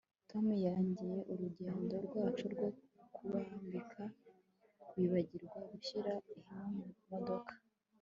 tom yangije urugendo rwacu rwo gukambika yibagirwa gushyira ihema mu modoka